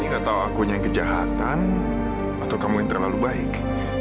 ini katau aku yang kejahatan atau kamu yang terlalu baik